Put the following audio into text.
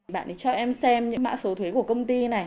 bạn ấy cho em xem những mã số thuế của công ty này